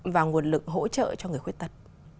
và nguồn lực hỗ trợ cho người khuyết tật